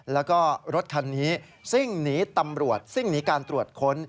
แล้วก็รถคันนี้ซิ่งหนีตำรวจซิ่งหนีการตรวจค้น